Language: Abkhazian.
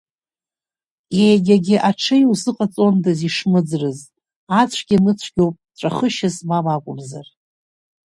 Егьагьы аҽеи узыҟаҵондаз ишмыӡрыз, ацәгьа-мыцәгьа ауп ҵәахышьа змам акәымзар…